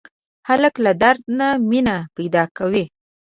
هلک له درد نه مینه پیدا کوي.